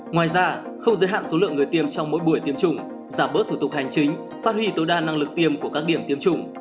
ngoài ra không giới hạn số lượng người tiêm trong mỗi buổi tiêm chủng giảm bớt thủ tục hành chính phát huy tối đa năng lực tiêm của các điểm tiêm chủng